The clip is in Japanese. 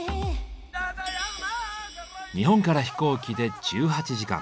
日本から飛行機で１８時間。